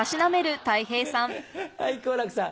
はい好楽さん。